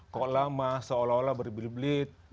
kok lama seolah olah berbilit bilit